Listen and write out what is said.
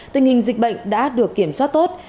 tình hình dịch bệnh đã được kiểm soát tốt